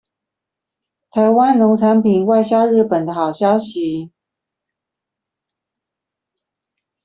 臺灣農產品外銷日本的好消息